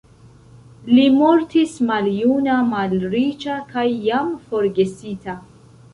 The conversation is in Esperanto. Li mortis maljuna, malriĉa kaj jam forgesita.